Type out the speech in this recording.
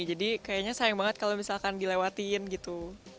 jadi kayaknya sayang banget kalau misalkan dilewatin gitu